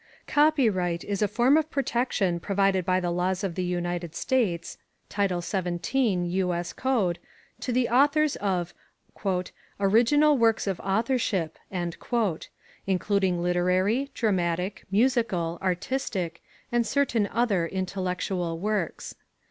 Copyright is a form of protection provided by the laws of the United States (title 17, U.S. Code) to the authors of "original works of authorship", including literary, dramatic, musical, artistic, and certain other intellectual works.